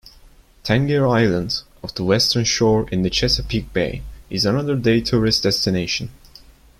Tangier Island, off the western shore in the Chesapeake Bay, is another day-tourist destination.